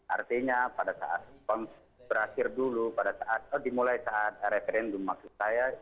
artinya pada saat berakhir dulu pada saat dimulai saat referendum maksud saya